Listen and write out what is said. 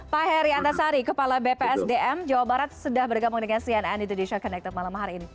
pak heri antasari kepala bpsdm jawa barat sudah bergabung dengan cnn indonesia connected malam hari ini